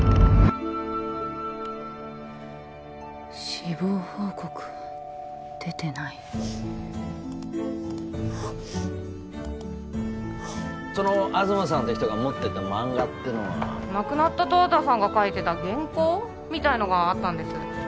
死亡報告は出てないその東さんって人が持ってった漫画ってのは亡くなった十和田さんが描いてた原稿？みたいのがあったんです